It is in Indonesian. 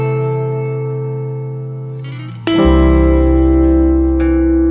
dan kamu malah ngebantuin aku